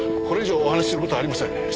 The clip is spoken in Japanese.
これ以上お話しする事はありません。